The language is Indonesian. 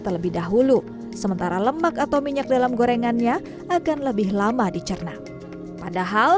terlebih dahulu sementara lemak atau minyak dalam gorengannya akan lebih lama dicerna padahal